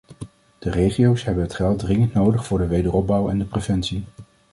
De regio's hebben het geld dringend nodig voor de wederopbouw en de preventie.